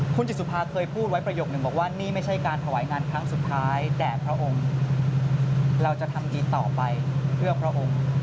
คุณจิตสุภาเคยพูดไว้ประโยคนึงบอกว่านี่ไม่ใช่การถวายงานครั้งสุดท้ายแด่พระองค์เราจะทำดีต่อไปเพื่อพระองค์